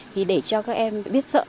thì để cho các em biết sợ